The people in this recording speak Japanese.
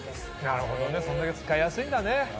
なるほどねそんだけ使いやすいんだね。